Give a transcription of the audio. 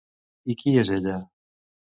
I qui és ella?